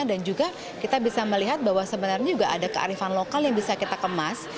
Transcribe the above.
dan juga kita bisa melihat bahwa sebenarnya juga ada kearifan lokal yang bisa kita kemas